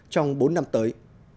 trong bốn năm tới